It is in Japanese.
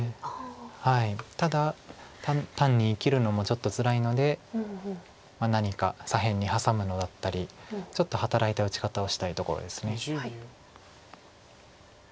ただ単に生きるのもちょっとつらいので何か左辺にハサむのだったりちょっと働いた打ち方をしたいところです。